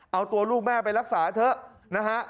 เอาตัวลูกแม่ไปรักษาเถอะนะฮะ